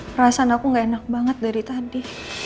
perasaan aku gak enak banget dari tadi